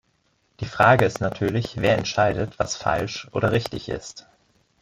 Die Frage ist natürlich, wer entscheidet, was falsch oder richtig ist.